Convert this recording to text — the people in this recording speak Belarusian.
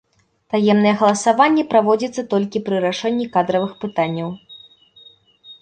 Таемнае галасаванне праводзіцца толькі пры рашэнні кадравых пытанняў.